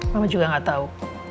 mama juga nggak tahu